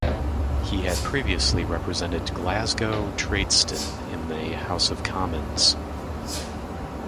He had previously represented Glasgow Tradeston in the House of Commons.